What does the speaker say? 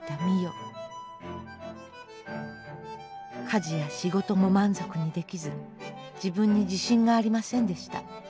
家事や仕事も満足にできず自分に自信がありませんでした。